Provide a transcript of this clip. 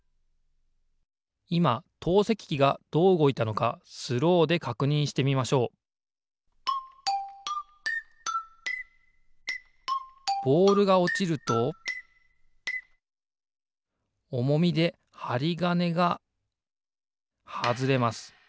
いま投石機がどううごいたのかスローでかくにんしてみましょうボールがおちるとおもみではりがねがはずれます。